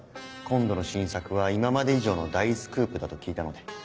今度の新作は今まで以上の大スクープだと聞いたので。